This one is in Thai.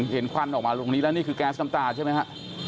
ควันออกมาตรงนี้แล้วนี่คือแก๊สน้ำตาใช่ไหมฮะ